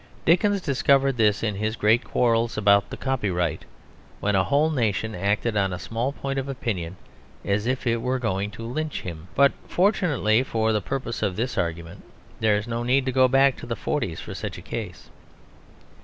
Dickens discovered this in his great quarrels about the copyright, when a whole nation acted on a small point of opinion as if it were going to lynch him. But, fortunately for the purpose of this argument, there is no need to go back to the forties for such a case.